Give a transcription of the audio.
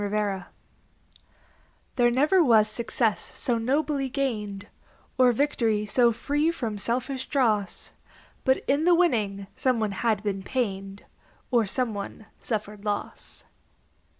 SUN SHADOWS There never was success so nobly gained, Or victory so free from selfish dross, But in the winning some one had been pained Or some one suffered loss.